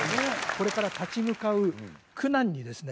これから立ち向かう苦難にですね